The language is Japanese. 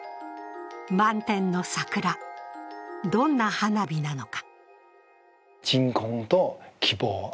満天の桜、どんな花火なのか。